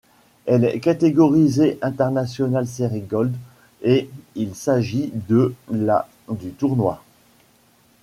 Elle est catégorisée International Series Gold, et il s'agit de la du tournoi.